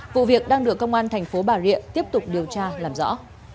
vụ việc đang được công an tp bà rịa tiếp tục điều tra làm rõ